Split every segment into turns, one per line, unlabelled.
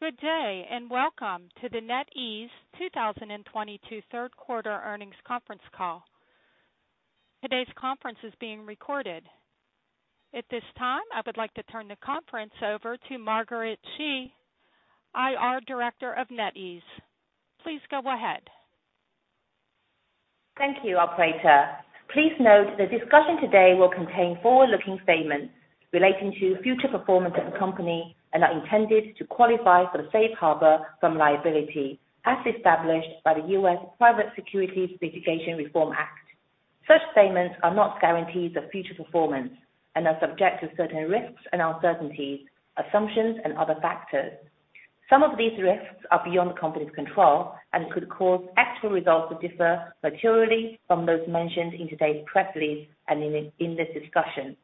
Good day, and welcome to the NetEase 2022 third quarter earnings conference call. Today's conference is being recorded. At this time, I would like to turn the conference over to Margaret Shi, IR Director of NetEase. Please go ahead.
Thank you, operator. Please note the discussion today will contain forward-looking statements relating to future performance of the company and are intended to qualify for the safe harbor from liability as established by the U.S. Private Securities Litigation Reform Act. Such statements are not guarantees of future performance and are subject to certain risks and uncertainties, assumptions and other factors. Some of these risks are beyond the company's control and could cause actual results to differ materially from those mentioned in today's press release and in this discussion.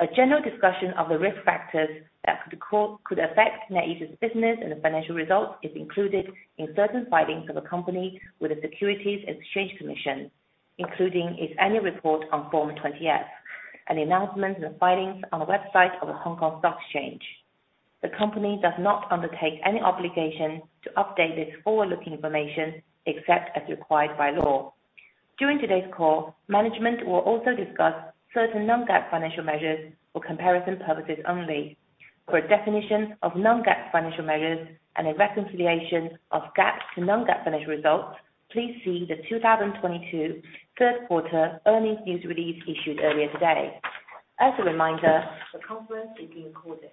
A general discussion of the risk factors that could affect NetEase's business and the financial results is included in certain filings of the company with the Securities and Exchange Commission, including its annual report on Form 20-F and announcements and filings on the website of the Hong Kong Stock Exchange. The company does not undertake any obligation to update this forward-looking information except as required by law. During today's call, management will also discuss certain Non-GAAP financial measures for comparison purposes only. For a definition of Non-GAAP financial measures and a reconciliation of GAAP to Non-GAAP financial results, please see the 2022 third quarter earnings news release issued earlier today. As a reminder, the conference is being recorded.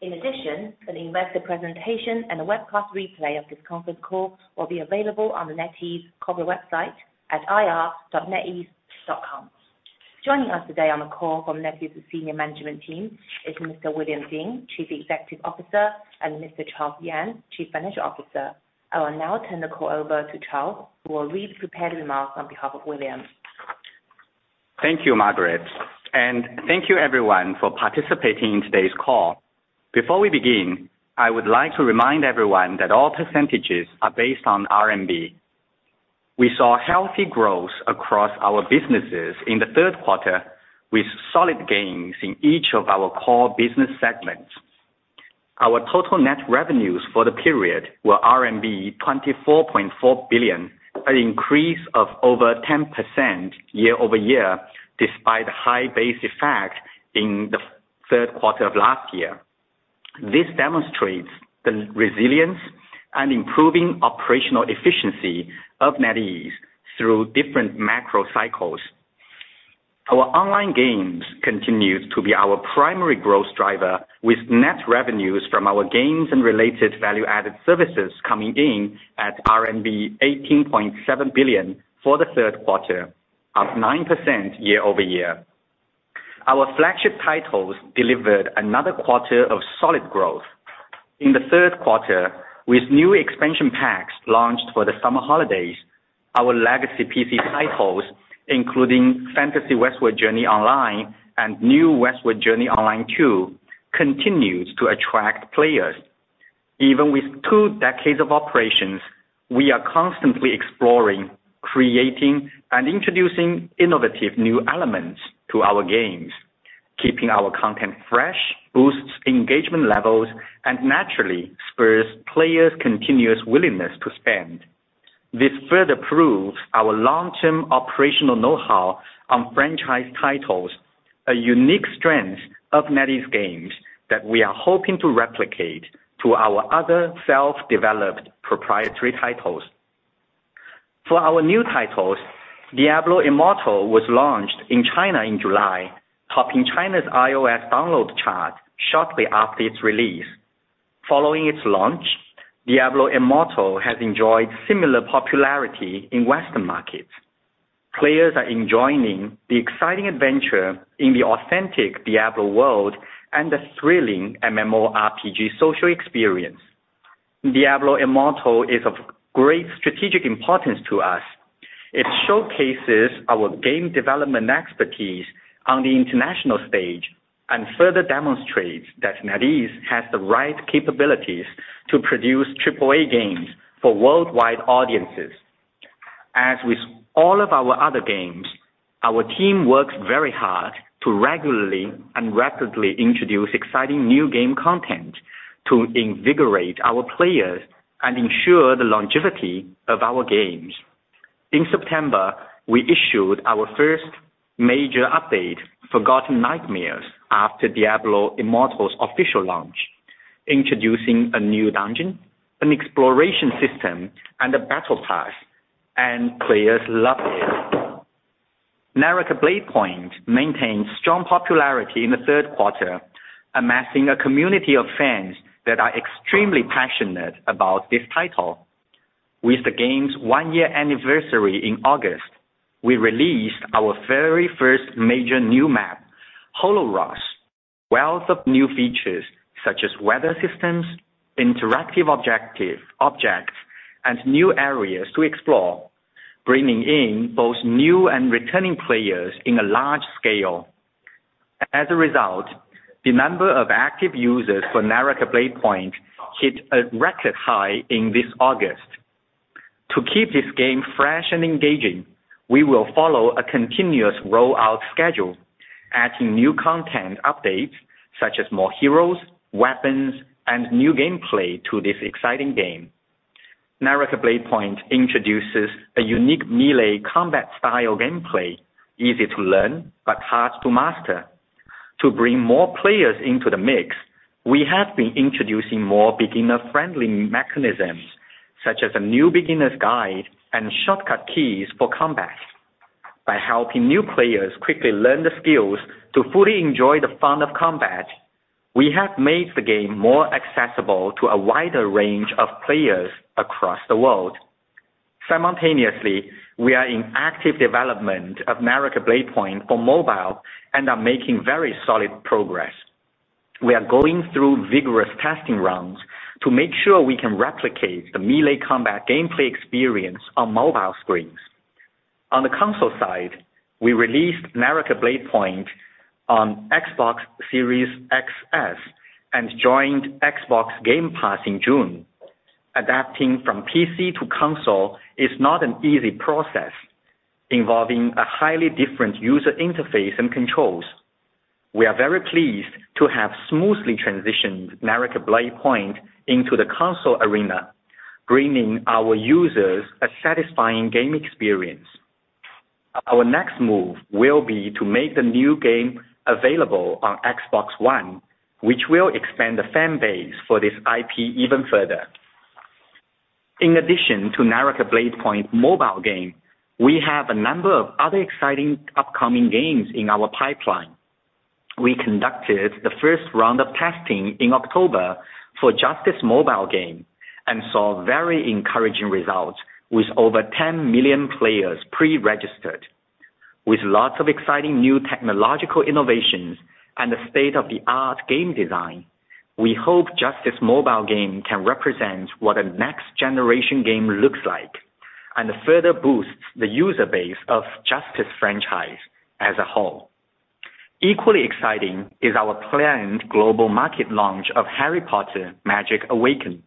In addition, an investor presentation and a webcast replay of this conference call will be available on the NetEase corporate website at ir.netease.com. Joining us today on the call from NetEase's senior management team is Mr. William Ding, Chief Executive Officer, and Mr. Charles Yang, Chief Financial Officer. I will now turn the call over to Charles, who will read prepared remarks on behalf of William.
Thank you, Margaret, and thank you everyone for participating in today's call. Before we begin, I would like to remind everyone that all percentages are based on RMB. We saw healthy growth across our businesses in the third quarter, with solid gains in each of our core business segments. Our total net revenues for the period were RMB 24.4 billion, an increase of over 10% year-over-year, despite high base effect in the third quarter of last year. This demonstrates the resilience and improving operational efficiency of NetEase through different macro cycles. Our online games continues to be our primary growth driver, with net revenues from our games and related value-added services coming in at RMB 18.7 billion for the third quarter, up 9% year-over-year. Our flagship titles delivered another quarter of solid growth. In the third quarter, with new expansion packs launched for the summer holidays, our legacy P.C. titles, including Fantasy Westward Journey Online and New Westward Journey Online II, continues to attract players. Even with two decades of operations, we are constantly exploring, creating, and introducing innovative new elements to our games. Keeping our content fresh boosts engagement levels and naturally spurs players' continuous willingness to spend. This further proves our long-term operational know-how on franchise titles, a unique strength of NetEase Games that we are hoping to replicate to our other self-developed proprietary titles. For our new titles, Diablo Immortal was launched in China in July, topping China's iOS download chart shortly after its release. Following its launch, Diablo Immortal has enjoyed similar popularity in Western markets. Players are enjoying the exciting adventure in the authentic Diablo world and the thrilling MMORPG social experience. Diablo Immortal is of great strategic importance to us. It showcases our game development expertise on the international stage and further demonstrates that NetEase has the right capabilities to produce AAA games for worldwide audiences. As with all of our other games, our team works very hard to regularly and rapidly introduce exciting new game content to invigorate our players and ensure the longevity of our games. In September, we issued our first major update, Forgotten Nightmares, after Diablo Immortal's official launch, introducing a new dungeon, an exploration system, and a battle pass, and players loved it. Naraka: Bladepoint maintained strong popularity in the third quarter, amassing a community of fans that are extremely passionate about this title. With the game's one-year anniversary in August, we released our very first major new map, Holoroth. Wealth of new features such as weather systems, interactive objects, and new areas to explore, bringing in both new and returning players in a large scale. As a result, the number of active users for Naraka: Bladepoint hit a record high in this August. To keep this game fresh and engaging, we will follow a continuous rollout schedule, adding new content updates such as more heroes, weapons, and new gameplay to this exciting game. Naraka: Bladepoint introduces a unique melee combat style gameplay, easy to learn but hard to master. To bring more players into the mix, we have been introducing more beginner-friendly mechanisms, such as a new beginner's guide and shortcut keys for combat. By helping new players quickly learn the skills to fully enjoy the fun of combat, we have made the game more accessible to a wider range of players across the world. Simultaneously, we are in active development of Naraka: Bladepoint for mobile and are making very solid progress. We are going through vigorous testing rounds to make sure we can replicate the melee combat gameplay experience on mobile screens. On the console side, we released Naraka: Bladepoint on Xbox Series X, S and joined Xbox Game Pass in June. Adapting from P.C. to console is not an easy process, involving a highly different user interface and controls. We are very pleased to have smoothly transitioned Naraka: Bladepoint into the console arena, bringing our users a satisfying game experience. Our next move will be to make the new game available on Xbox One, which will expand the fan base for this I.P. even further. In addition to Naraka: Bladepoint mobile game, we have a number of other exciting upcoming games in our pipeline. We conducted the first round of testing in October for Justice mobile game and saw very encouraging results with over 10 million players pre-registered. With lots of exciting new technological innovations and the state-of-the-art game design, we hope Justice mobile game can represent what a next-generation game looks like, and further boosts the user base of Justice franchise as a whole. Equally exciting is our planned global market launch of Harry Potter: Magic Awakened,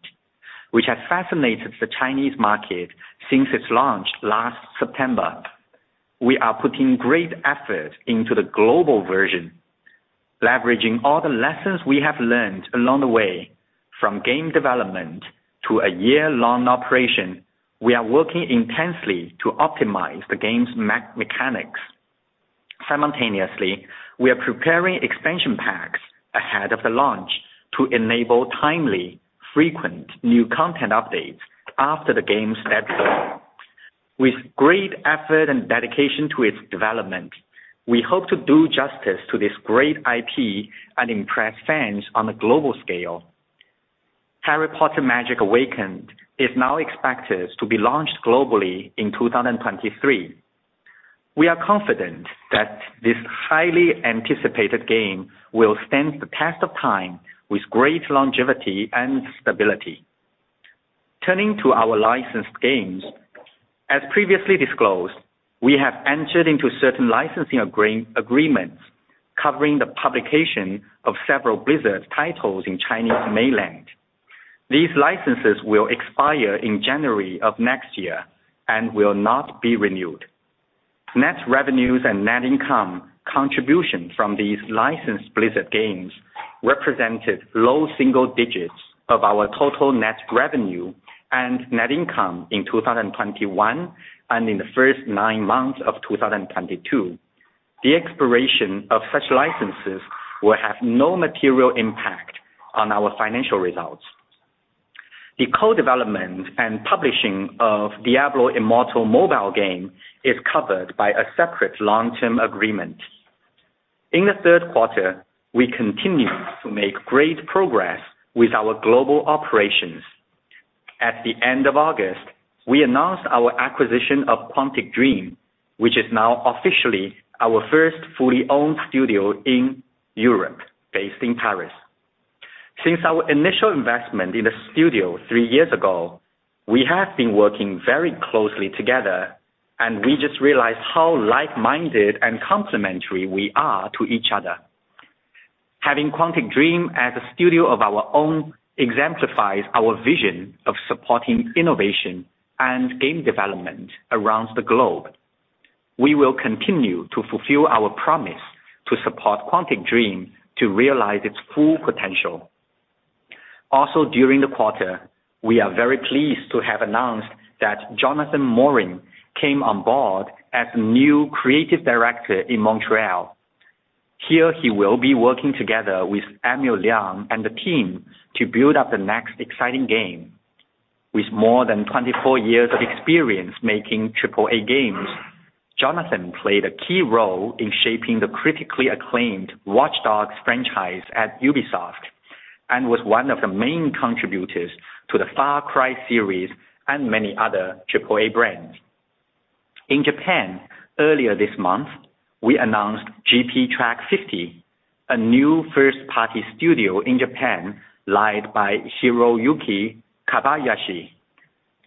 which has fascinated the Chinese market since its launch last September. We are putting great effort into the global version, leveraging all the lessons we have learned along the way from game development to a year-long operation. We are working intensely to optimize the game's mechanics. Simultaneously, we are preparing expansion packs ahead of the launch to enable timely, frequent new content updates after the game sets in. With great effort and dedication to its development, we hope to do justice to this great I.P. and impress fans on a global scale. Harry Potter: Magic Awakened is now expected to be launched globally in 2023. We are confident that this highly anticipated game will stand the test of time with great longevity and stability. Turning to our licensed games, as previously disclosed, we have entered into certain licensing agreements covering the publication of several Blizzard titles in Chinese Mainland. These licenses will expire in January of next year and will not be renewed. Net revenues and net income contribution from these licensed Blizzard games represented low single digits of our total net revenue and net income in 2021 and in the first nine months of 2022. The expiration of such licenses will have no material impact on our financial results. The co-development and publishing of Diablo Immortal mobile game is covered by a separate long-term agreement. In the third quarter, we continued to make great progress with our global operations. At the end of August, we announced our acquisition of Quantic Dream, which is now officially our first fully owned studio in Europe, based in Paris. Since our initial investment in the studio three years ago, we have been working very closely together, and we just realized how like-minded and complementary we are to each other. Having Quantic Dream as a studio of our own exemplifies our vision of supporting innovation and game development around the globe. We will continue to fulfill our promise to support Quantic Dream to realize its full potential. Also, during the quarter, we are very pleased to have announced that Jonathan Morin came on board as New Creative Director in Montreal. Here, he will be working together with Emile Liang and the team to build up the next exciting game. With more than 24 years of experience making AAA games, Jonathan played a key role in shaping the critically acclaimed Watch Dogs franchise at Ubisoft, and was one of the main contributors to the Far Cry series and many other AAA brands. In Japan, earlier this month, we announced GPTRACK50, a new first-party studio in Japan led by Hiroyuki Kobayashi.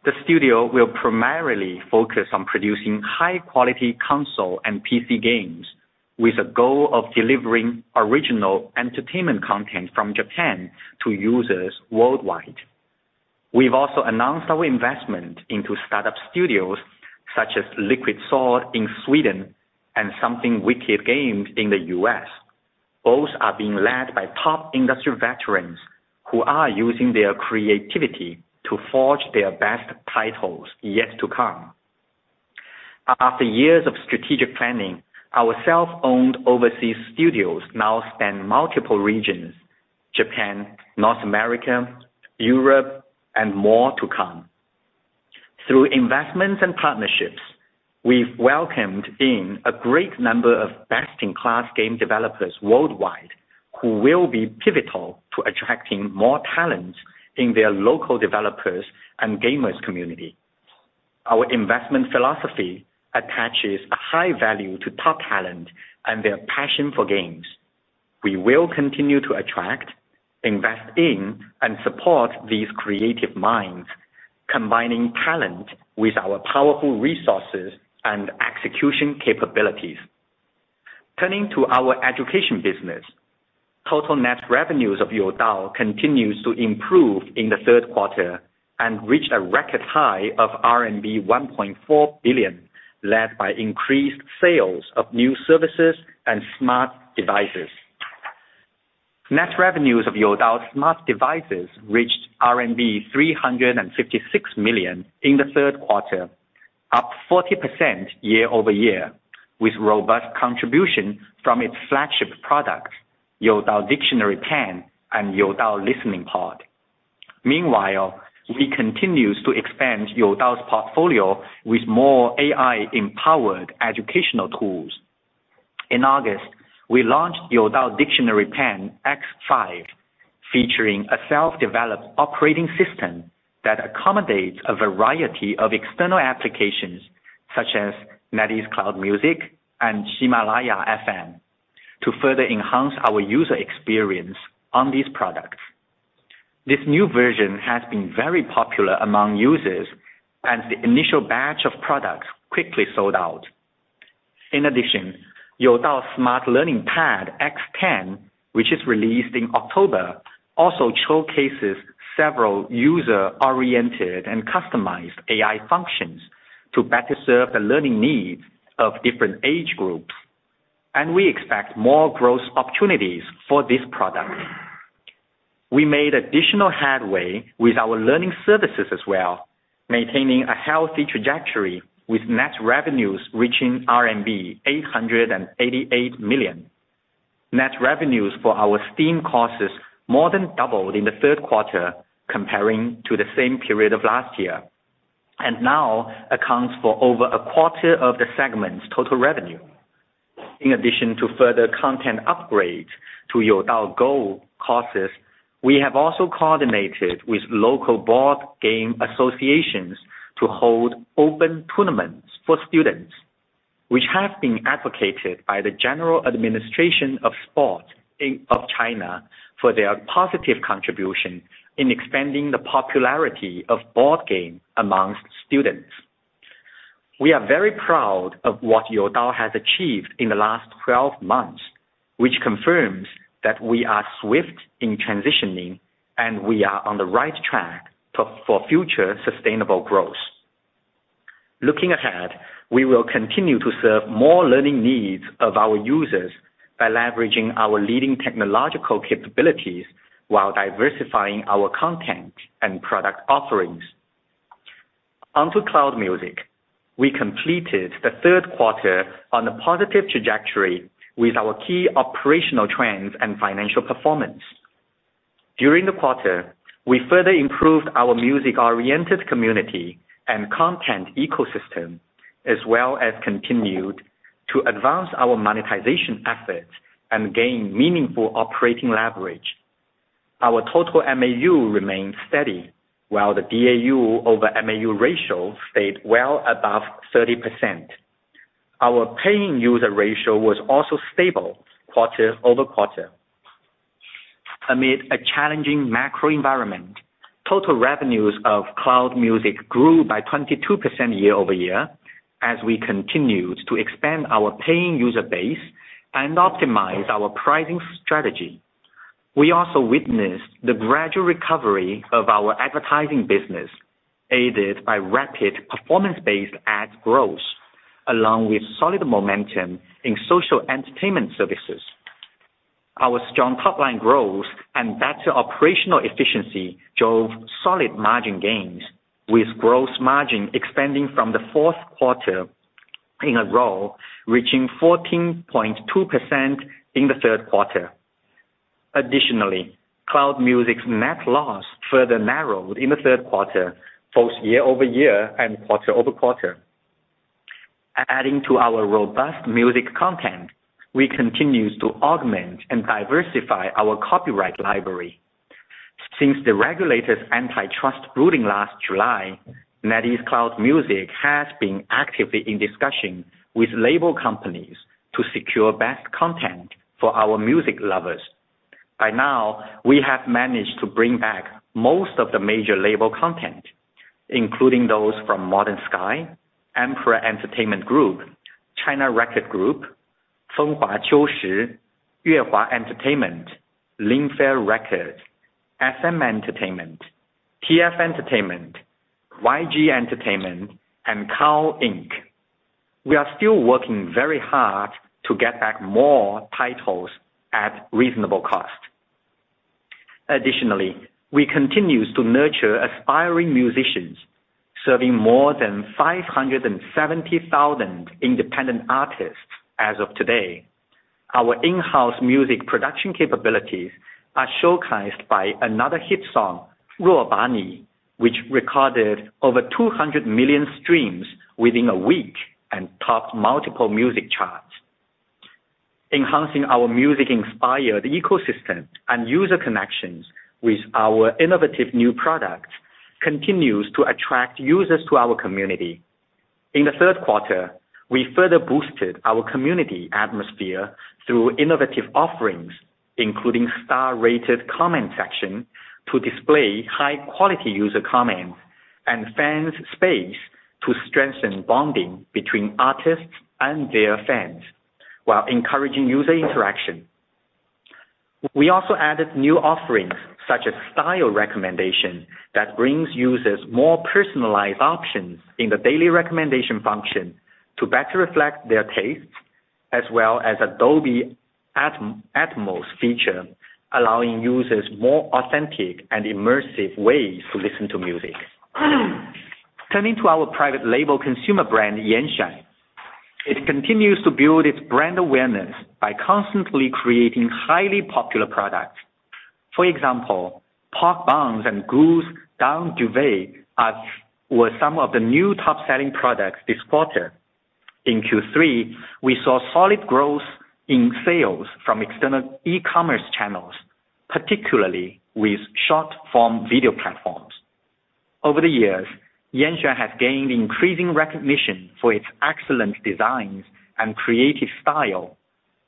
The studio will primarily focus on producing high-quality console and PC games with the goal of delivering original entertainment content from Japan to users worldwide. We've also announced our investment into startup studios such as Liquid Swords in Sweden and Something Wicked Games in the U.S. Both are being led by top industry veterans who are using their creativity to forge their best titles yet to come. After years of strategic planning, our self-owned overseas studios now span multiple regions, Japan, North America, Europe, and more to come. Through investments and partnerships, we've welcomed in a great number of best-in-class game developers worldwide who will be pivotal to attracting more talents in their local developers and gamers community. Our investment philosophy attaches a high value to top talent and their passion for games. We will continue to attract, invest in, and support these creative minds, combining talent with our powerful resources and execution capabilities. Turning to our education business, total net revenues of Youdao continues to improve in the third quarter and reached a record high of RMB 1.4 billion, led by increased sales of new services and smart devices. Net revenues of Youdao smart devices reached RMB 356 million in the third quarter, up 40% year-over-year, with robust contribution from its flagship product, Youdao Dictionary Pen and Youdao Listening Pod. Meanwhile, we continue to expand Youdao's portfolio with more AI-empowered educational tools. In August, we launched Youdao Dictionary Pen X5, featuring a self-developed operating system that accommodates a variety of external applications such as NetEase Cloud Music and Ximalaya FM to further enhance our user experience on these products. This new version has been very popular among users, and the initial batch of products quickly sold out. In addition, Youdao Smart Learning Pad X10, which is released in October, also showcases several user-oriented and customized AI functions to better serve the learning needs of different age groups. We expect more growth opportunities for this product. We made additional headway with our learning services as well, maintaining a healthy trajectory with net revenues reaching RMB 888 million. Net revenues for our STEAM courses more than doubled in the third quarter comparing to the same period of last year, and now accounts for over a quarter of the segment's total revenue. In addition to further content upgrades to Youdao Go courses, we have also coordinated with local board game associations to hold open tournaments for students, which have been advocated by the General Administration of Sport of China for their positive contribution in expanding the popularity of board game amongst students. We are very proud of what Youdao has achieved in the last 12 months, which confirms that we are swift in transitioning, and we are on the right track for future sustainable growth. Looking ahead, we will continue to serve more learning needs of our users by leveraging our leading technological capabilities while diversifying our content and product offerings. On to Cloud Music. We completed the third quarter on a positive trajectory with our key operational trends and financial performance. During the quarter, we further improved our music-oriented community and content ecosystem, as well as continued to advance our monetization efforts and gain meaningful operating leverage. Our total MAU remained steady while the DAU over MAU ratio stayed well above 30%. Our paying user ratio was also stable quarter-over-quarter. Amid a challenging macro environment, total revenues of Cloud Music grew by 22% year-over-year as we continued to expand our paying user base and optimize our pricing strategy. We also witnessed the gradual recovery of our advertising business, aided by rapid performance-based ads growth, along with solid momentum in social entertainment services. Our strong top-line growth and better operational efficiency drove solid margin gains, with gross margin expanding for the fourth quarter in a row, reaching 14.2% in the third quarter. Additionally, Cloud Music's net loss further narrowed in the third quarter, both year-over-year and quarter-over-quarter. Adding to our robust music content, we continue to augment and diversify our copyright library. Since the regulator's antitrust ruling last July, NetEase Cloud Music has been actively in discussion with label companies to secure best content for our music lovers. By now, we have managed to bring back most of the major label content, including those from Modern Sky, Emperor Entertainment Group, China Record Group, 丰华秋实, 乐华 Entertainment, Linfair Records, SM Entertainment, TF Entertainment, YG Entertainment, and KAO! INC. We are still working very hard to get back more titles at reasonable cost. Additionally, we continue to nurture aspiring musicians, serving more than 570,000 independent artists as of today. Our in-house music production capabilities are showcased by another hit song, Ruò Bǎ Nǐ, which recorded over 200 million streams within a week and topped multiple music charts. Enhancing our music-inspired ecosystem and user connections with our innovative new products continues to attract users to our community. In the third quarter, we further boosted our community atmosphere through innovative offerings, including star-rated comment section to display high-quality user comments and fans space to strengthen bonding between artists and their fans while encouraging user interaction. We also added new offerings such as style recommendation that brings users more personalized options in the daily recommendation function to better reflect their tastes, as well as Dolby Atmos feature, allowing users more authentic and immersive ways to listen to music. Turning to our private label consumer brand, Yanxuan, it continues to build its brand awareness by constantly creating highly popular products. For example, pork buns and goose down duvet are some of the new top-selling products this quarter. In Q3, we saw solid growth in sales from external e-commerce channels, particularly with short-form video platforms. Over the years, Yanxuan has gained increasing recognition for its excellent designs and creative style.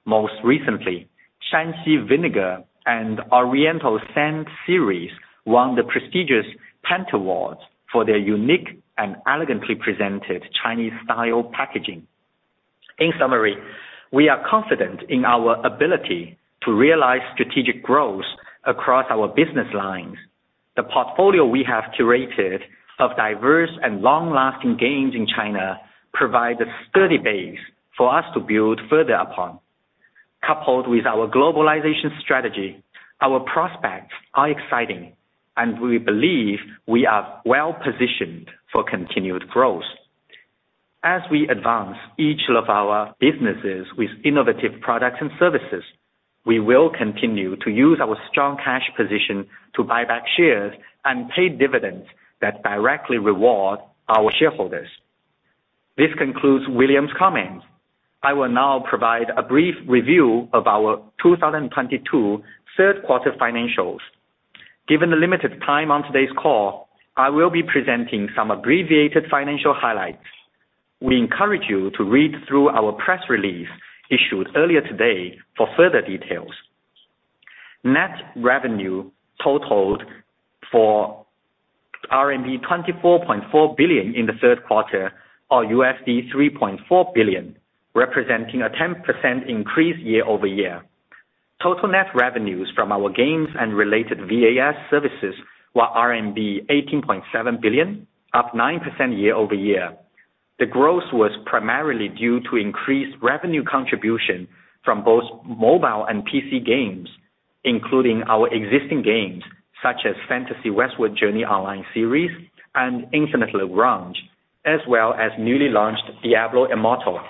Most recently, Shanxi Mature Vinegar and Oriental Scent Series won the prestigious Pentawards for their unique and elegantly presented Chinese-style packaging. In summary, we are confident in our ability to realize strategic growth across our business lines. The portfolio we have curated of diverse and long-lasting games in China provide a sturdy base for us to build further upon. Coupled with our globalization strategy, our prospects are exciting, and we believe we are well-positioned for continued growth. As we advance each of our businesses with innovative products and services, we will continue to use our strong cash position to buy back shares and pay dividends that directly reward our shareholders. This concludes William's comments. I will now provide a brief review of our 2022 third quarter financials. Given the limited time on today's call, I will be presenting some abbreviated financial highlights. We encourage you to read through our press release issued earlier today for further details. Net revenue totaled for RMB 24.4 billion in the third quarter, or $3.4 billion, representing a 10% increase year-over-year. Total net revenues from our games and related VAS services were RMB 18.7 billion, up 9% year-over-year. The growth was primarily due to increased revenue contribution from both mobile and PC games, including our existing games such as Fantasy Westward Journey Online series and Infinite Lagrange, as well as newly launched Diablo Immortal.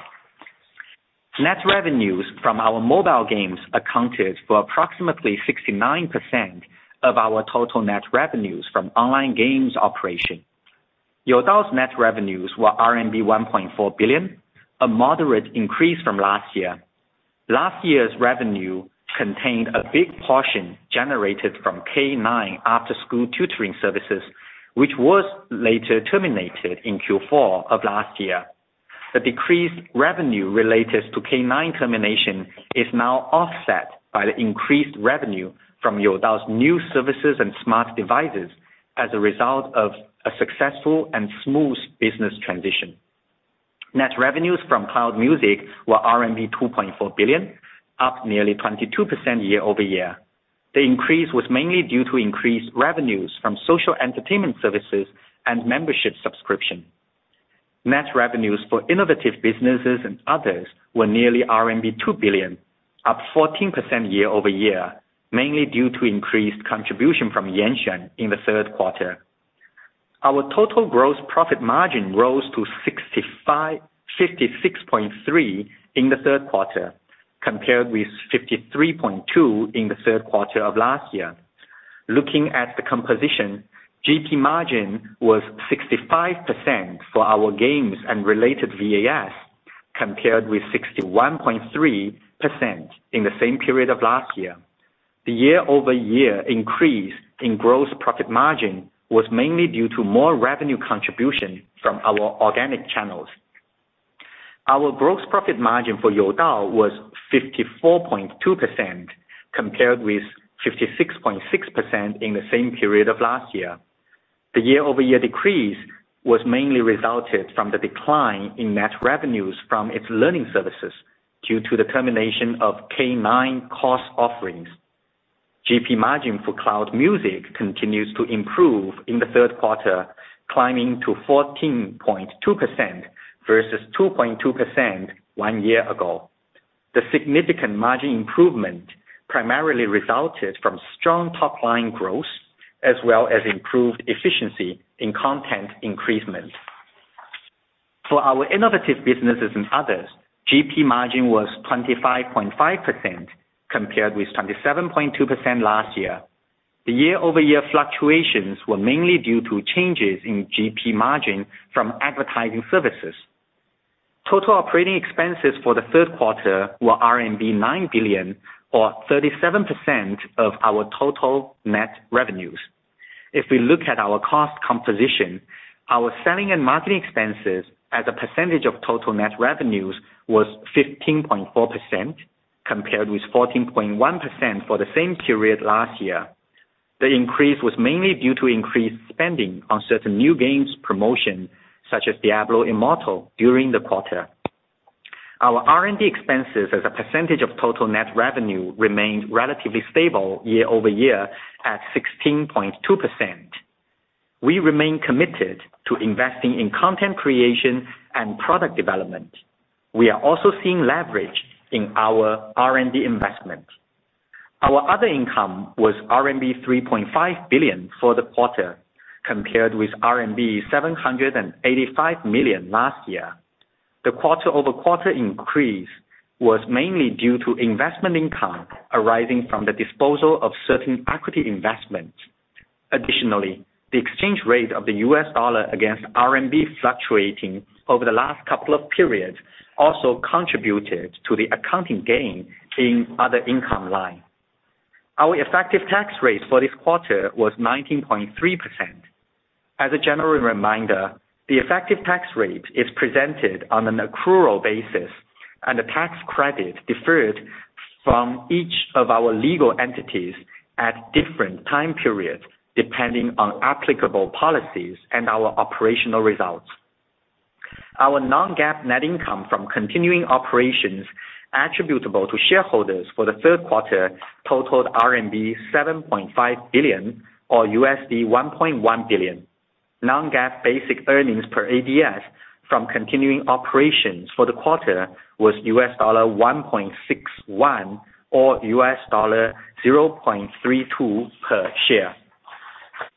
Net revenues from our mobile games accounted for approximately 69% of our total net revenues from online games operation. Youdao's net revenues were RMB 1.4 billion, a moderate increase from last year. Last year's revenue contained a big portion generated from K-9 after-school tutoring services, which was later terminated in Q4 of last year. The decreased revenue related to K-9 termination is now offset by the increased revenue from Youdao's new services and smart devices as a result of a successful and smooth business transition. Net revenues from Cloud Music were RMB 2.4 billion, up nearly 22% year-over-year. The increase was mainly due to increased revenues from social entertainment services and membership subscription. Net revenues for innovative businesses and others were nearly RMB 2 billion, up 14% year-over-year, mainly due to increased contribution from Yanxuan in the third quarter. Our total gross profit margin rose to 56.3% in the third quarter, compared with 53.2% in the third quarter of last year. Looking at the composition, GP margin was 65% for our games and related VAS, compared with 61.3% in the same period of last year. The year-over-year increase in gross profit margin was mainly due to more revenue contribution from our organic channels. Our gross profit margin for Youdao was 54.2% compared with 56.6% in the same period of last year. The year-over-year decrease was mainly resulted from the decline in net revenues from its learning services due to the termination of K-9 course offerings. GP margin for Cloud Music continues to improve in the third quarter, climbing to 14.2% versus 2.2% one year ago. The significant margin improvement primarily resulted from strong top-line growth as well as improved efficiency in content investment. For our innovative businesses and others, G.P. margin was 25.5% compared with 27.2% last year. The year-over-year fluctuations were mainly due to changes in G.P. margin from advertising services. Total operating expenses for the third quarter were RMB 9 billion or 37% of our total net revenues. If we look at our cost composition, our selling and marketing expenses as a percentage of total net revenues was 15.4% compared with 14.1% for the same period last year. The increase was mainly due to increased spending on certain new games promotion, such as Diablo Immortal during the quarter. Our R.&.D. expenses as a percentage of total net revenue remained relatively stable year-over-year at 16.2%. We remain committed to investing in content creation and product development. We are also seeing leverage in our R.&D. investment. Our other income was RMB 3.5 billion for the quarter compared with RMB 785 million last year. The quarter-over-quarter increase was mainly due to investment income arising from the disposal of certain equity investments. Additionally, the exchange rate of the U.S. dollar against RMB fluctuating over the last couple of periods also contributed to the accounting gain in other income line. Our effective tax rate for this quarter was 19.3%. As a general reminder, the effective tax rate is presented on an accrual basis and the tax credit deferred from each of our legal entities at different time periods depending on applicable policies and our operational results. Our Non-GAAP net income from continuing operations attributable to shareholders for the third quarter totaled RMB 7.5 billion or $1.1 billion. Non-GAAP basic earnings per ADS from continuing operations for the quarter was $1.61 or $0.32 per share.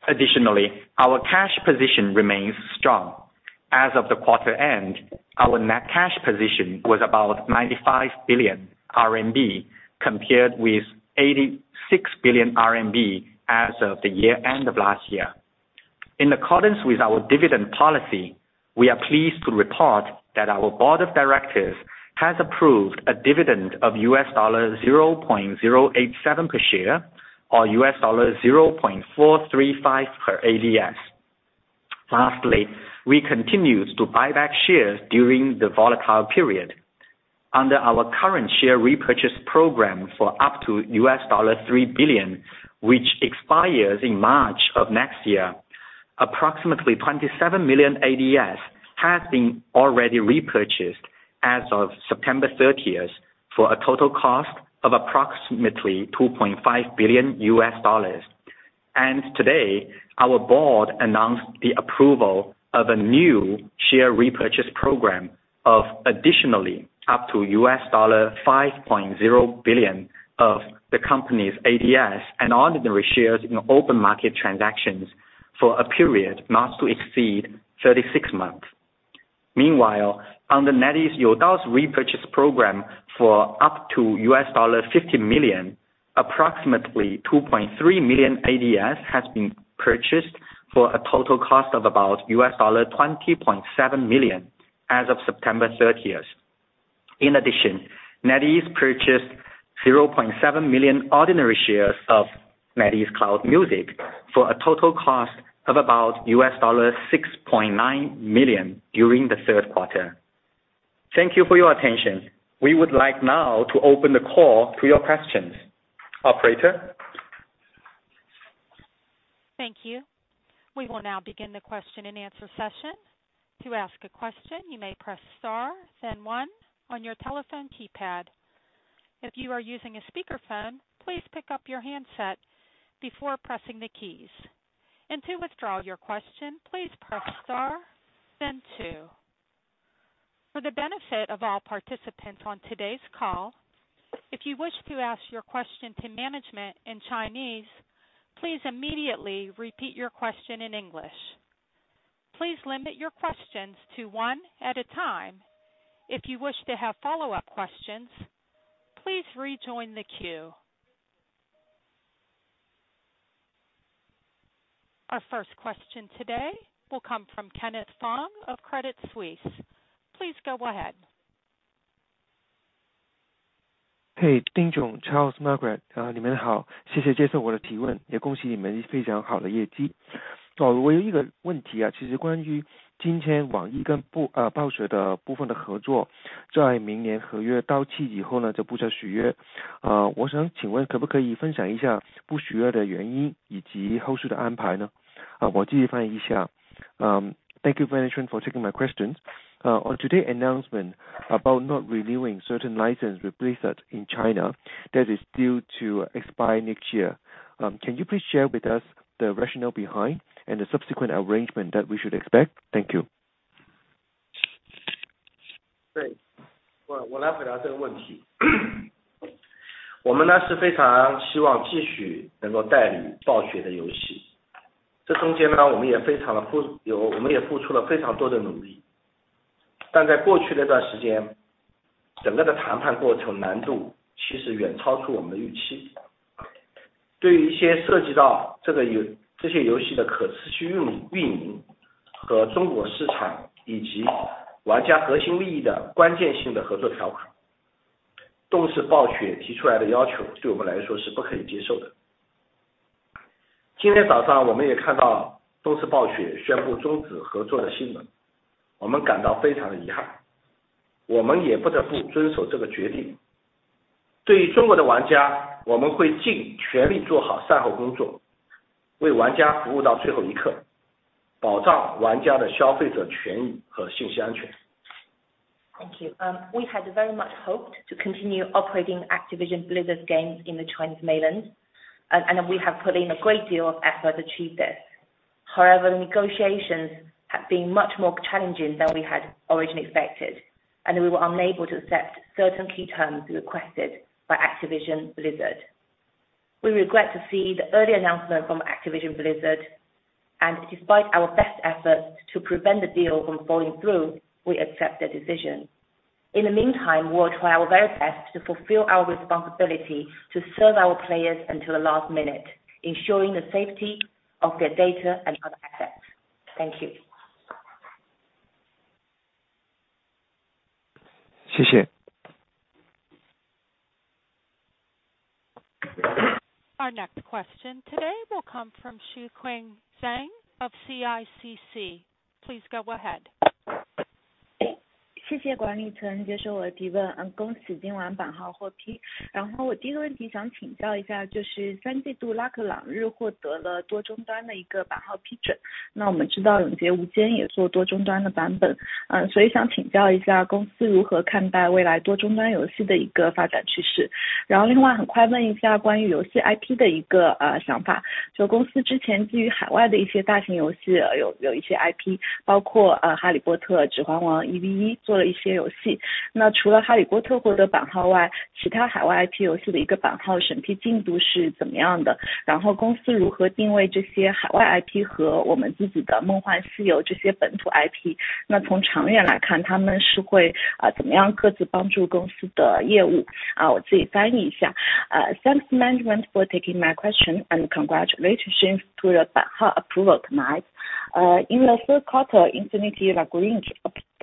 Additionally, our cash position remains strong. As of the quarter-end, our net cash position was about 95 billion RMB compared with 86 billion RMB as of the year-end of last year. In accordance with our dividend policy, we are pleased to report that our Board of Directors has approved a dividend of $0.087 per share or $0.435 per ADS. Lastly, we continue to buy back shares during the volatile period. Under our current share repurchase program for up to $3 billion, which expires in March of next year, approximately 27 million ADS has been already repurchased as of September 30th for a total cost of approximately $2.5 billion. Today, our board announced the approval of a new share repurchase program of additionally up to $5.0 billion of the company's ADS and ordinary shares in open market transactions for a period not to exceed 36 months. Meanwhile, under NetEase Youdao's repurchase program for up to $50 million, approximately 2.3 million ADS has been purchased for a total cost of about $20.7 million as of September 30th. In addition, NetEase purchased 0.7 million ordinary shares of NetEase Cloud Music for a total cost of about $6.9 million during the third quarter. Thank you for your attention. We would like now to open the call to your questions. Operator?
Thank you. We will now begin the question-and-answer session. To ask a question, you may press star then one on your telephone keypad. If you are using a speakerphone, please pick up your handset before pressing the keys. To withdraw your question, please press star then two. For the benefit of all participants on today's call, if you wish to ask your question to management in Chinese, please immediately repeat your question in English. Please limit your questions to one at a time. If you wish to have follow-up questions, please rejoin the queue. Our first question today will come from Kenneth Fong of Credit Suisse. Please go ahead.
嘿，丁总，Charles，Margaret，你们好，谢谢接受我的提问，也恭喜你们非常好的业绩。好，我有一个问题，其实关于今天网易跟暴雪的部分的合作，在明年合约到期以后呢，就不再续约。我想请问可不可以分享一下不续约的原因以及后续的安排呢？我自己翻译一下。Thank you very much for taking my question. On today's announcement about not renewing certain license with Blizzard in China, that is due to expire next year. Can you please share with us the rationale behind and the subsequent arrangement that we should expect? Thank you.
对，我来回答这个问题。我们呢，是非常希望继续能够代理暴雪的游戏。这中间呢，我们也付出了非常多的努力。但在过去的一段时间，整个的谈判过程难度其实远超出我们的预期。对于一些涉及到这些游戏的可持续运营和中国市场，以及玩家核心利益的关键性的合作条款，动视暴雪提出来的要求对我们来说是不可以接受的。今天早上我们也看到动视暴雪宣布终止合作的新闻，我们感到非常的遗憾，我们也不得不遵守这个决定。对于中国的玩家，我们会尽全力做好善后工作，为玩家服务到最后一刻，保障玩家的消费者权益和信息安全。
Thank you. We had very much hoped to continue operating Activision Blizzard games in the Chinese mainland. We have put in a great deal of effort to achieve this. However, negotiations had been much more challenging than we had originally expected, and we were unable to accept certain key terms requested by Activision Blizzard. We regret to see the early announcement from Activision Blizzard, and despite our best efforts to prevent the deal from falling through, we accept their decision. In the meantime, we will try our very best to fulfill our responsibility to serve our players until the last minute, ensuring the safety of their data and other assets. Thank you.
谢谢。
Our next question today will come from Xueqing Zhang of CICC. Please go ahead.
Uh, thanks management for taking my question and congratulations to your approval tonight.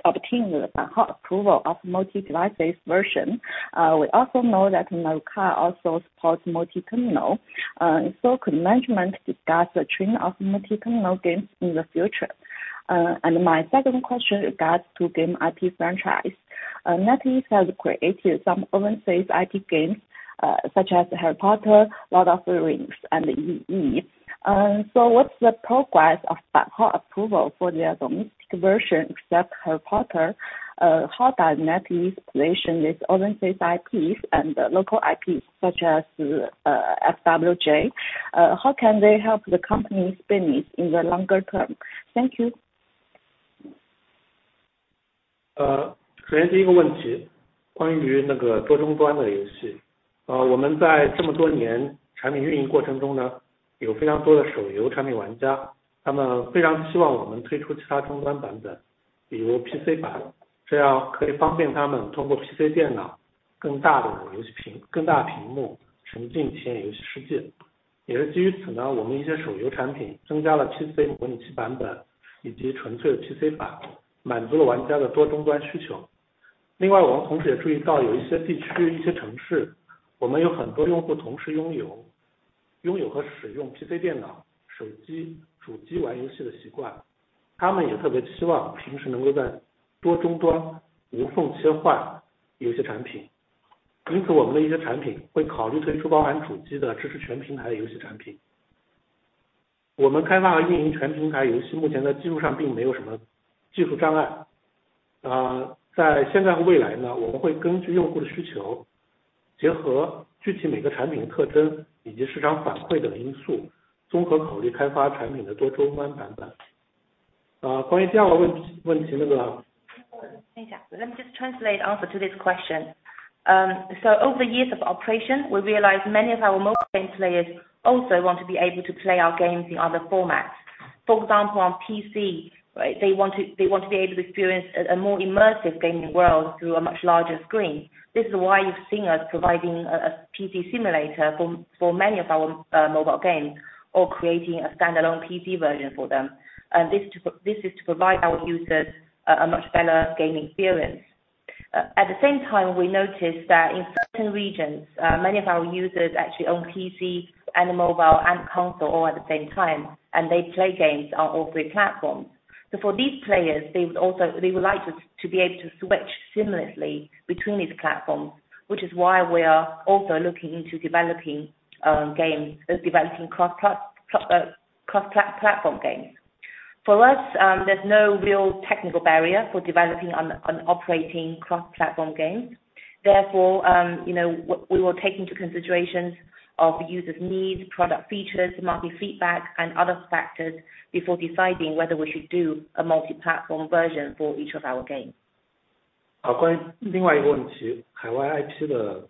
In the third quarter Infinite Lagrange obtained approval of multi-device version. We also know that also supports multi-terminal, could management discuss the trend of multi-terminal games in the future? My second question regards to game I.P. franchise. NetEase has created some overseas I.P. games, such as Harry Potter, Lord of the Rings and EVE. What's the progress of approval for the domestic version except Harry Potter? How does NetEase position its overseas I.P.s and local I.P.s such as FWJ? How can they help the company's business in the longer term? Thank you.
等一下。
Let me just translate answer to this question. Over the years of operation, we realized many of our mobile game players also want to be able to play our games in other formats. For example, on PC, right? They want to be able to experience a more immersive gaming world through a much larger screen. This is why you've seen us providing a PC simulator for many of our mobile games or creating a standalone PC version for them. This is to provide our users a much better gaming experience. At the same time, we noticed that in certain regions, many of our users actually own PC and mobile and console all at the same time, and they play games on all three platforms. For these players, they would also like to be able to switch seamlessly between these platforms, which is why we are also looking into developing cross-platform games. For us, there's no real technical barrier for developing and operating cross-platform games. Therefore, you know, we will take into consideration of users' needs, product features, market feedback, and other factors before deciding whether we should do a multi-platform version for each of our games.
关于另外一个问题，海外IP的...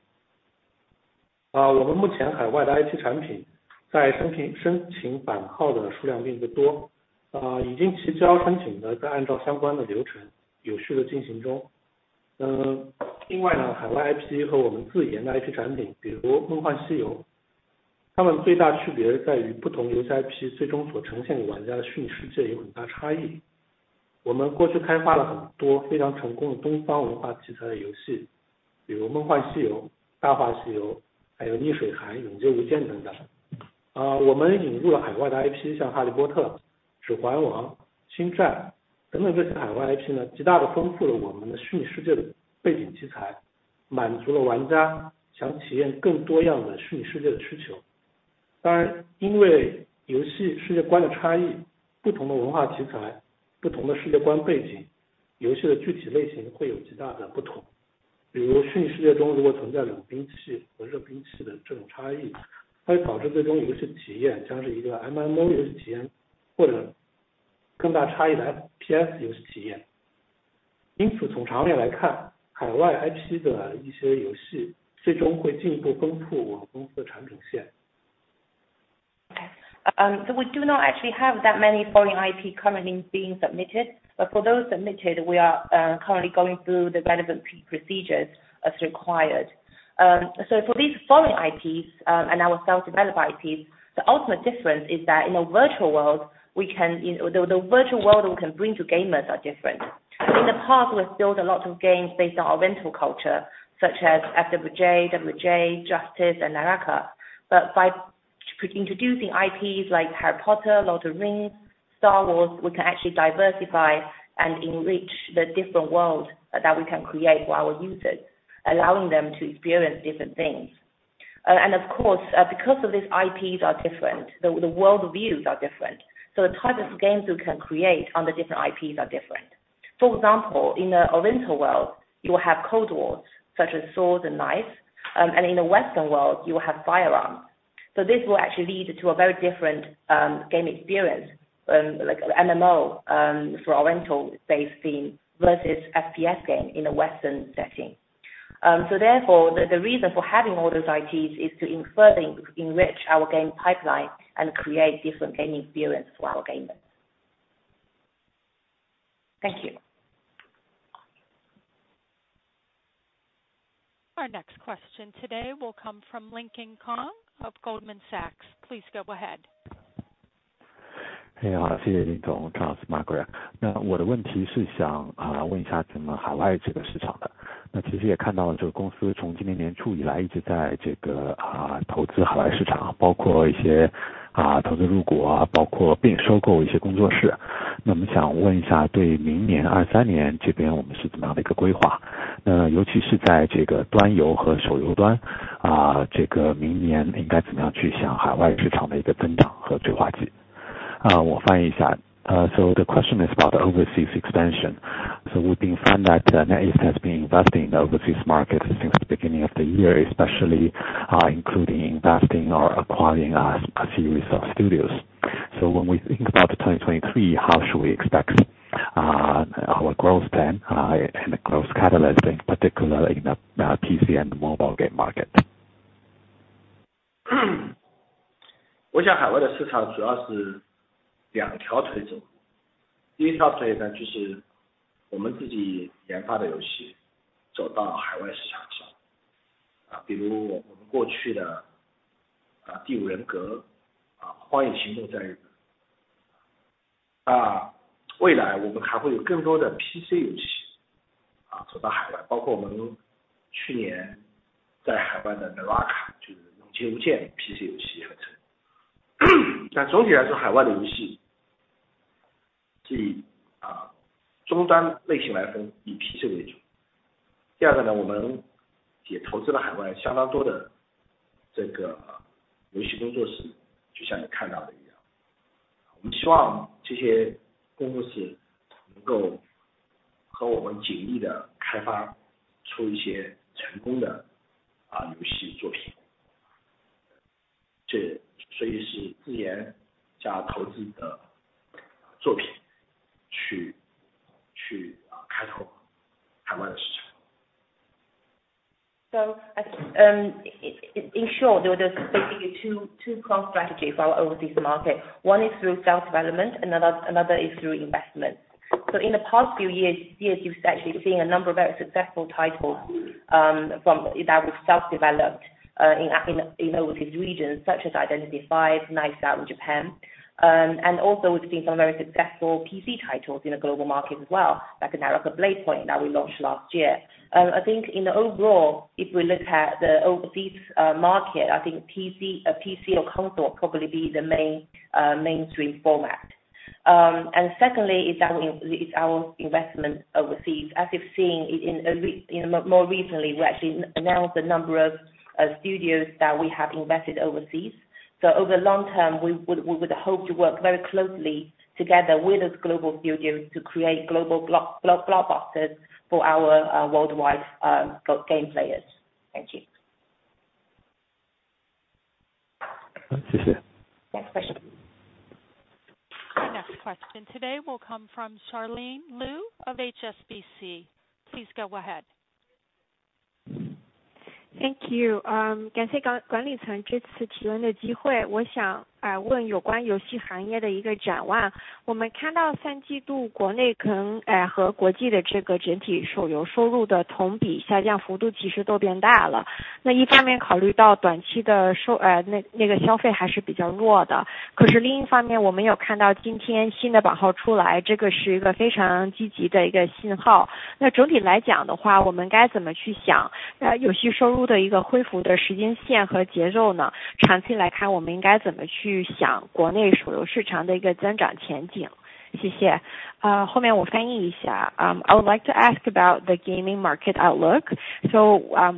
Okay. We do not actually have that many foreign IP currently being submitted, but for those submitted, we are currently going through the relevant procedures as required. For these foreign IPs and our self-developed IPs, the ultimate difference is that in a virtual world, you know, the virtual world we can bring to gamers are different. In the past, we have built a lot of games based on oriental culture, such as FWJ, WJ, Justice, and Naraka. By introducing IPs like Harry Potter, Lord of the Rings, Star Wars, we can actually diversify and enrich the different world that we can create for our users, allowing them to experience different things. Of course, because of these IPs are different, the worldviews are different, so the types of games we can create on the different IPs are different. For example, in a Oriental world, you will have cold weapons such as swords and knives, and in a Western world you will have firearms. This will actually lead to a very different game experience, like MMO, for Oriental-based theme versus FPS game in a Western setting. Therefore the reason for having all those IPs is to further enrich our game pipeline and create different game experience for our gamers. Thank you.
Our next question today will come from Lincoln Kong of Goldman Sachs. Please go ahead.
你好，谢谢林总。Charles，麦克。那我的问题是想问一下咱们海外这个市场的，那其实也看到了这个公司从今年年初以来一直在这个投资海外市场，包括一些投资入股，包括并收购一些工作室。那我们想问一下，对明年二三年这边我们是怎么样的一个规划，那尤其是在这个端游和手游端，这个明年应该怎么样去想海外市场的一个增长和规划计。我翻译一下。So the question is about overseas expansion. We've found that NetEase has been investing in the overseas market since the beginning of the year, especially including investing or acquiring a series of studios. When we think about the 2023, how should we expect our growth plan and growth catalyst, in particular in the PC and mobile game market?
In short, there's basically two core strategies for our overseas market. One is through self-development, another is through investment. In the past few years, you've actually seen a number of very successful titles from that we've self-developed in overseas regions such as Identity V, Knives Out in Japan. Also we've seen some very successful PC titles in the global market as well, like Naraka: Bladepoint that we launched last year. I think in the overall, if we look at the overseas market, I think PC or console probably be the mainstream format. Secondly is our investment overseas, as you've seen in more recently, we actually announced a number of studios that we have invested overseas. Over long term, we would hope to work very closely together with those global studios to create global blockbusters for our worldwide game players. Thank you.
Thank you.
Next question.
The next question today will come from Charlene Liu of HSBC. Please go ahead.
Thank you. I would like to ask about the gaming market outlook.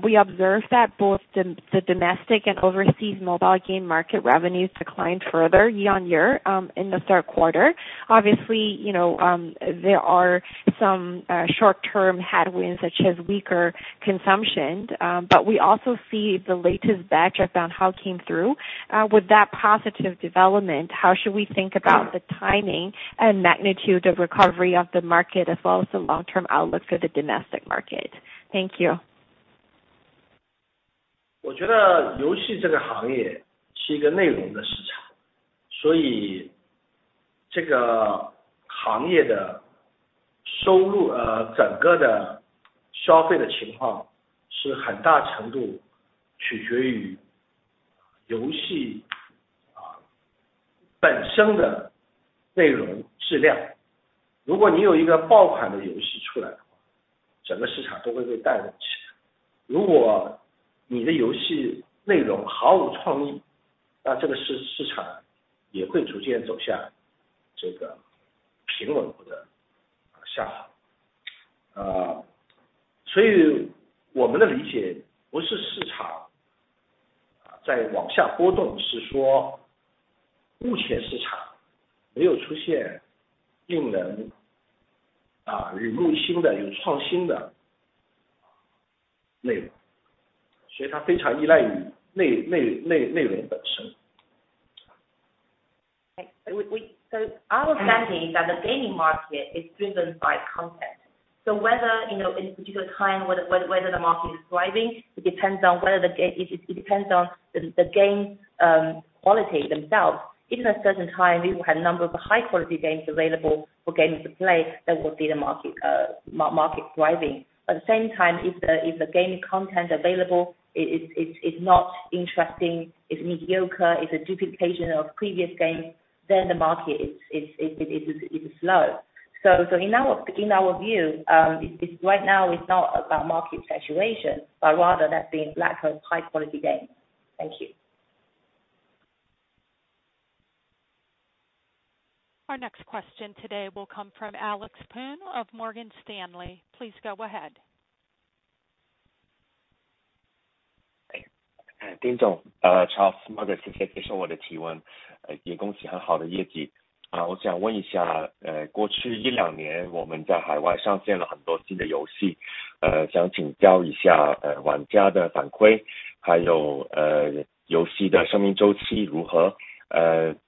We observed that both the domestic and overseas mobile game market revenues declined further year-on-year in the third quarter. Obviously, you know, there are some short-term headwinds, such as weaker consumption. We also see the latest batch of Banhao came through. With that positive development, how should we think about the timing and magnitude of recovery of the market, as well as the long-term outlook for the domestic market? Thank you.
Our understanding is that the gaming market is driven by content. Whether, you know, in particular time, whether the market is thriving, it depends on the game quality themselves. If at a certain time we will have a number of high-quality games available for gamers to play, that will see the market thriving. At the same time if the gaming content available is not interesting, it's mediocre, it's a duplication of previous games, then the market it's low. In our view, it's right now, it's not about market saturation, but rather that being lack of high-quality games. Thank you.
Our next question today will come from Alex Poon of Morgan Stanley. Please go ahead.
丁总，Charles，谢谢接受我的提问，也恭喜很好的业绩。我想问一下，过去一两年我们在海外上线了很多新的游戏，想请教一下，玩家的反馈，还有游戏的生命周期如何，以后我们也为了适合海外的玩家口味，会不会研发更多的休闲游戏？第二个问题是想问一下关于成本方面，能不能讲一下现在我们员工人数的一个趋势，和其他运营支出未来的一些趋势。谢谢。My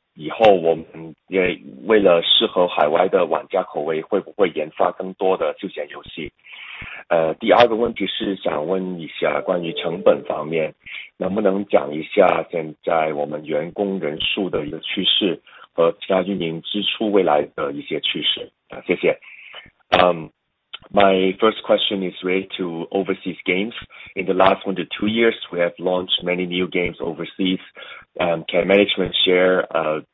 first question is related to overseas games.
In the last 1-2 years, we have launched many new games overseas. Can management share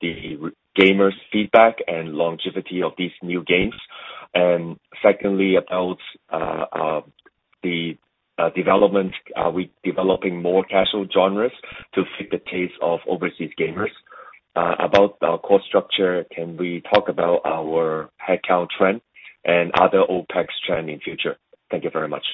the gamers' feedback and longevity of these new games? Secondly, about the development, are we developing more casual genres to fit the taste of overseas gamers? About our cost structure, can we talk about our headcount trend and other OpEx trend in future? Thank you very much.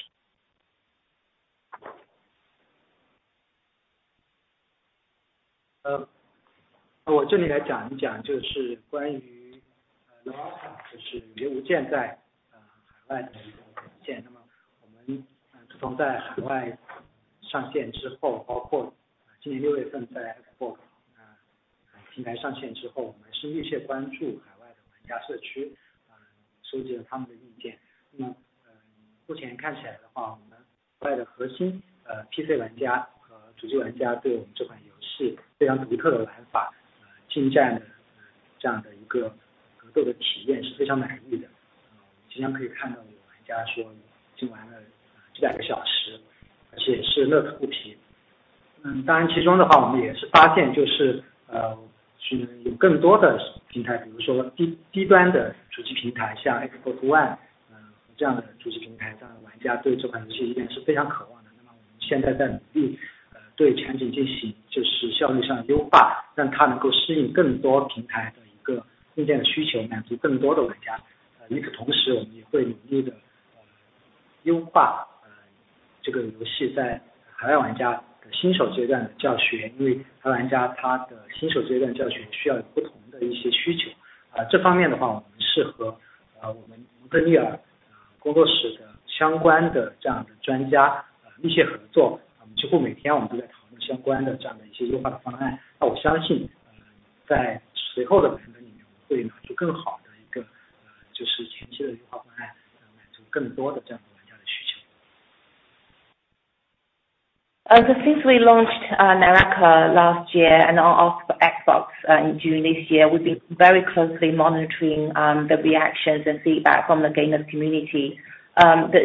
Since we launched Naraka last year and also Xbox in June this year, we've been very closely monitoring the reactions and feedback from the gamers community. From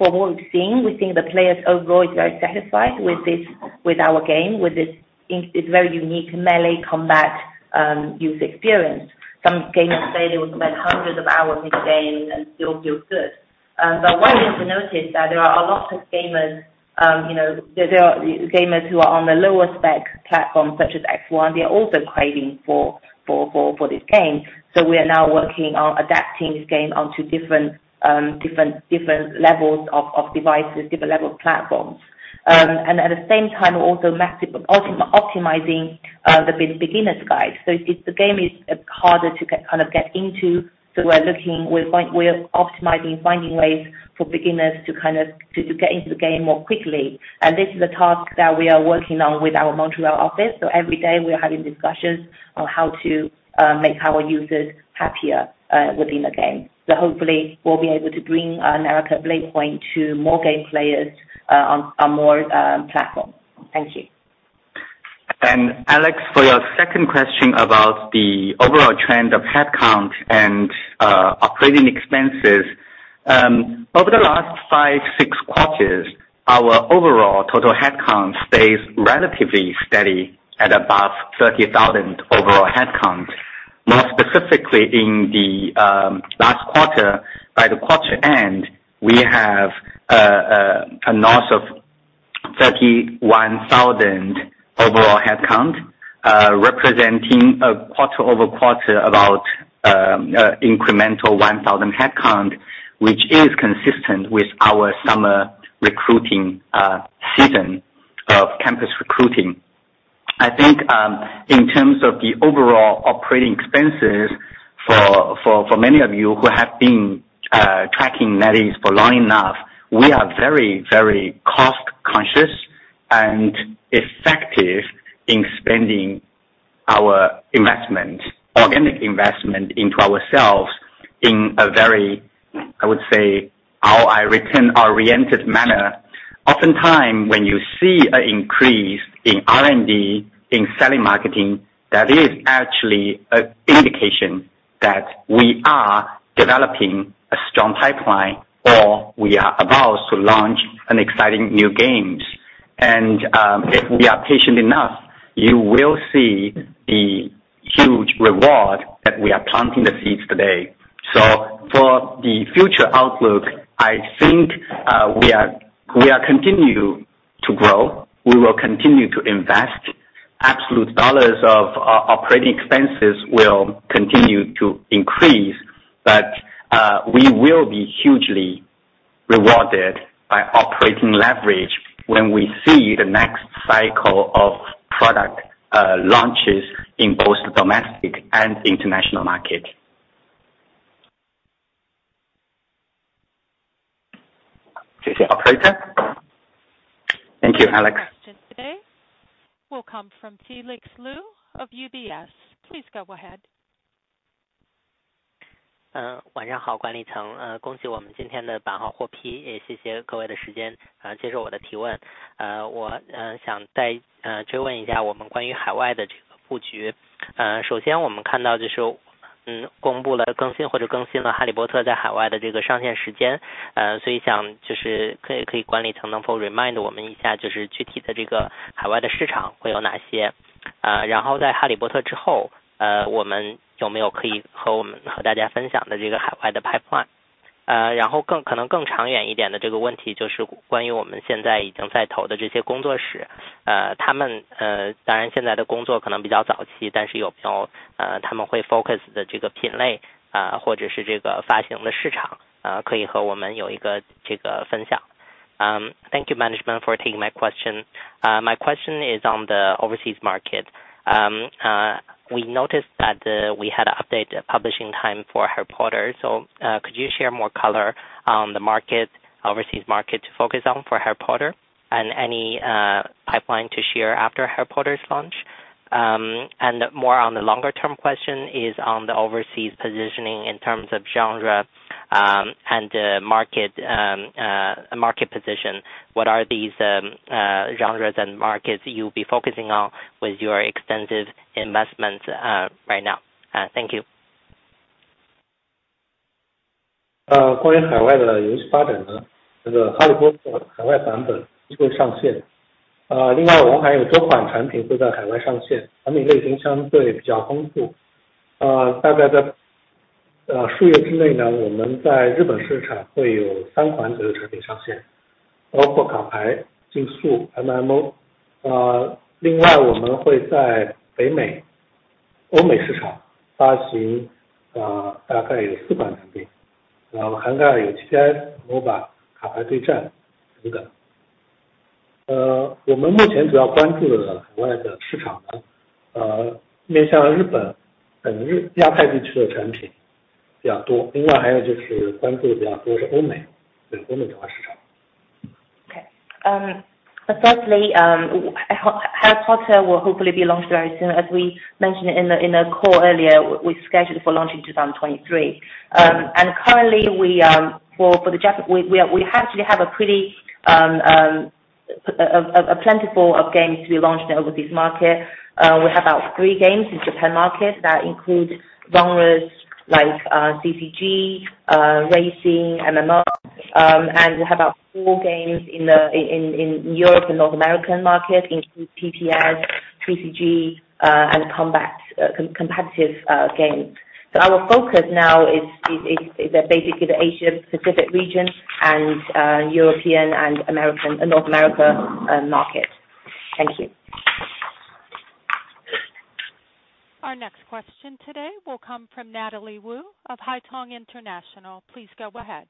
what we've seen, we think the players overall is very satisfied with our game, with its very unique melee combat user experience. Some gamers say they will spend hundreds of hours in this game and still feel good. One thing to notice that there are a lot of gamers, you know, there are gamers who are on the lower spec platform such as Xbox One, they are also craving for this game. We are now working on adapting this game onto different levels of devices, different level platforms. At the same time also massive optimizing the beginner's guide. The game is harder to kind of get into. We're looking, we're optimizing, finding ways for beginners to kind of get into the game more quickly. This is a task that we are working on with our Montreal office. Every day we are having discussions on how to make our users happier within the game. Hopefully we'll be able to bring Naraka: Bladepoint to more game players on more platforms. Thank you.
Alex, for your second question about the overall trend of headcount and operating expenses, over the last 5-6 quarters, our overall total headcount stays relatively steady at above 30,000 overall headcount. More specifically, in the last quarter, by the quarter end, we have a north of 31,000 overall headcount, representing a quarter-over-quarter about incremental 1,000 headcount, which is consistent with our summer recruiting season of campus recruiting. I think, in terms of the overall operating expenses for many of you who have been tracking NetEase for long enough, we are very cost-conscious and effective in spending our organic investment into ourselves in a very, I would say, ROI return-oriented manner. Oftentime when you see an increase in R&D, in selling marketing, that is actually a indication that we are developing a strong pipeline or we are about to launch an exciting new games. If we are patient enough, you will see the huge reward that we are planting the seeds today. For the future outlook, I think we are continue to grow. We will continue to invest. Absolute dollars of our operating expenses will continue to increase, but we will be hugely rewarded by operating leverage when we see the next cycle of product launches in both domestic and international market. Operator. Thank you, Alex.
Question today will come from Felix Liu of UBS. Please go ahead.
晚上好，管理层。恭喜我们今天的版号获批，也谢谢各位的时间来接受我的提问。我想再追问一下我们关于海外的这个布局。首先我们看到就是公布了更新，或者更新了哈利波特在海外的这个上线时间，所以想就是可以，可以管理层能否 remind 我们一下，就是具体的这个海外的市场会有哪些？然后在哈利波特之后，我们有没有可以和大家分享的这个海外的 pipeline？然后更长远一点的这个问题就是关于我们现在已经在投的这些工作室，他们当然现在的工作可能比较早期，但是有没有他们会 focus 的这个品类，或者是这个发行的市场，可以和我们有一个这个分享。Thank you, management, for taking my question.
My question is on the overseas market. We noticed that we had updated publishing time for Harry Potter. Could you share more color on the overseas market focus on for Harry Potter and any pipeline to share after Harry Potter's launch? More on the longer-term question is on the overseas positioning in terms of genre and market position. What are these genres and markets you'll be focusing on with your extensive investments right now? Thank you.
Uh, .
Firstly, Harry Potter will hopefully be launched very soon. As we mentioned in the call earlier, we scheduled for launch in 2023. Currently we actually have a pretty plentiful of games to be launched in the overseas market. We have about three games in Japan market that include genres like CCG, racing, MMO. We have about four games in the Europe and North American market, including TPS, TCG, and combat competitive games. Our focus now is basically the Asian Pacific region and European and American and North America market. Thank you.
Our next question today will come from Natalie Wu of Haitong International. Please go ahead.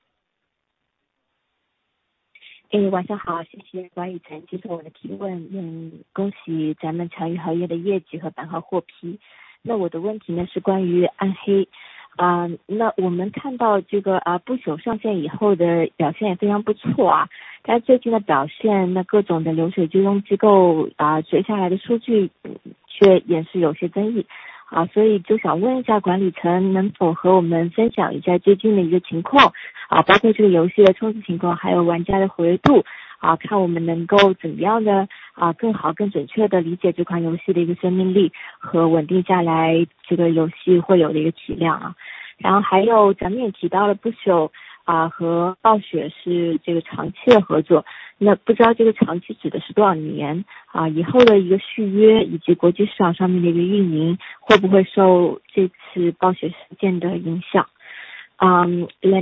Let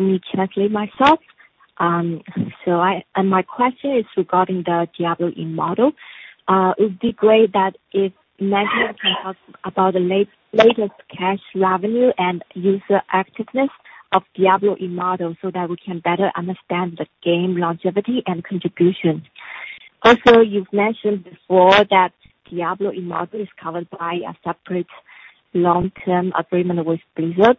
me translate myself. My question is regarding the Diablo Immortal. It'd be great that if NetEase can talk about the latest cash revenue and user activeness of Diablo Immortal so that we can better understand the game longevity and contribution. Also, you've mentioned before that Diablo Immortal is covered by a separate long-term agreement with Blizzard.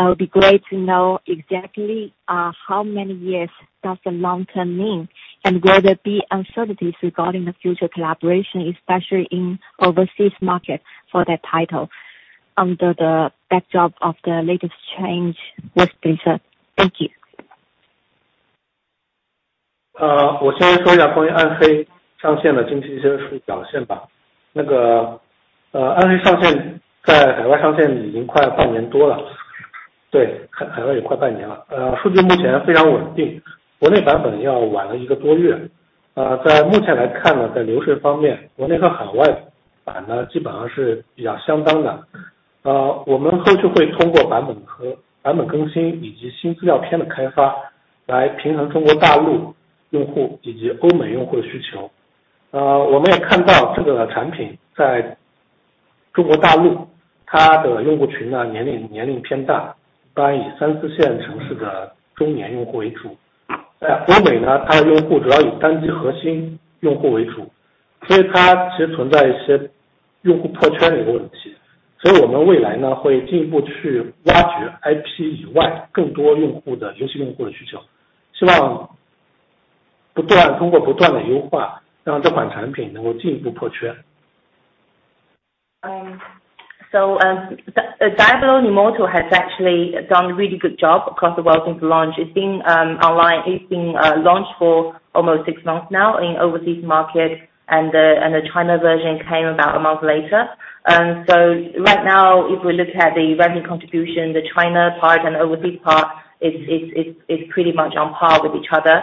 It'd be great to know exactly how many years does the long-term mean, and will there be uncertainties regarding the future collaboration, especially in overseas market for that title under the backdrop of the latest change with Blizzard? Thank you.
Uh,
Diablo Immortal has actually done really good job across the world since launch. It's been launched for almost six months now in overseas market and the China version came about a month later. Right now, if we look at the revenue contribution, the China part and overseas part is pretty much on par with each other.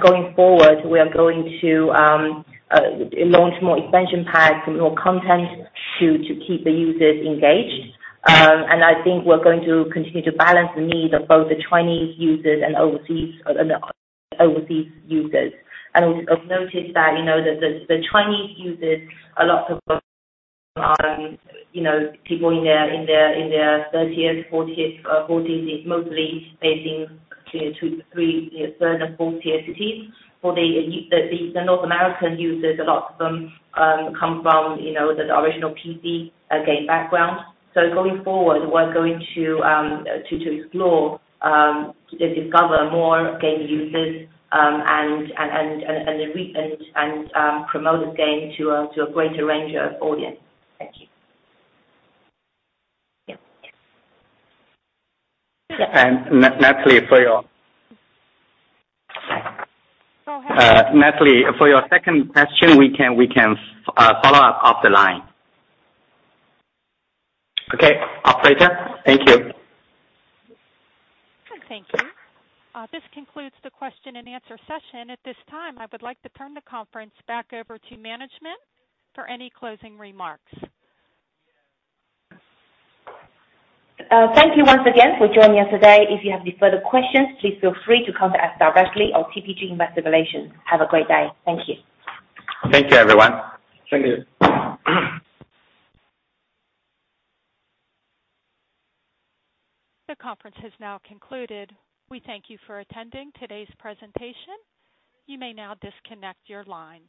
Going forward, we are going to launch more expansion packs with more content to keep the users engaged. I think we're going to continue to balance the need of both the Chinese users and the overseas users. We have noticed that, you know, the Chinese users, a lot of, you know, people in their 30s, 40s, 40s is mostly based in second, third and fourth tier cities. For the North American users, a lot of them come from you know, the original PC game background. Going forward, we're going to explore, to discover more game users and promote this game to a greater range of audience. Thank you.
Yeah.
Natalie.
Oh, hi.
Natalie, for your second question, we can follow up off the line.
Okay. Operator. Thank you.
Thank you. This concludes the question and answer session. At this time, I would like to turn the conference back over to management for any closing remarks.
Thank you once again for joining us today. If you have any further questions, please feel free to contact us directly or TPG Investor Relations. Have a great day. Thank you.
Thank you, everyone.
Thank you.
The conference has now concluded. We thank you for attending today's presentation. You may now disconnect your lines.